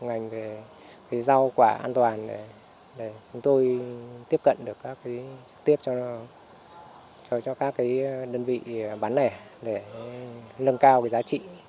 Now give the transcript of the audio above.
ngành về rau quả an toàn để chúng tôi tiếp cận được các cái trực tiếp cho các cái đơn vị bán nẻ để nâng cao cái giá trị